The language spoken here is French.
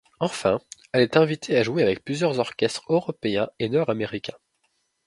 Enfin, elle est invitée à jouer avec plusieurs orchestres européens et nord-américains.